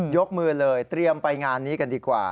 ยกมือเลยเตรียมไปงานนี้กันดีกว่า